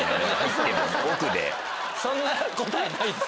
そんな答えないです。